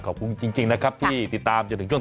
ขอบคุณจริงนะครับที่ติดตาม